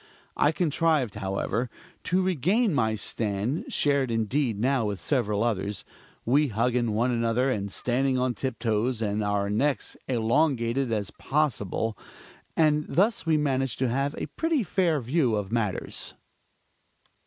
I contrived, however, to regain my stand, shared indeed now with several others, we hugging one another and standing on tip toes and our necks elongated as possible; and thus we managed to have a pretty fair view of matters.